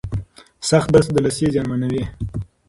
سخت برس د لثې زیانمنوي.